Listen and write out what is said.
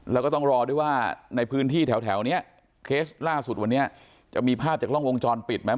แล้วก็ต้องรอด้วยว่าในพื้นที่แถวนี้เคสล่าสุดวันนี้จะมีภาพจากกล้องวงจรปิดไหม